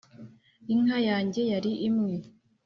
inka yange yari imwe